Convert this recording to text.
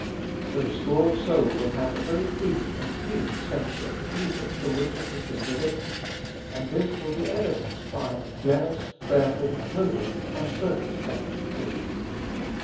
The restored soul will have a very deep and keen sense of the evil from which it has been delivered, and this will be evidenced by a jealous, prayerful, holy, and circumspect spirit.